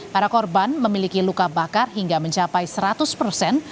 para korban memiliki luka bakar hingga mencapai seratus persen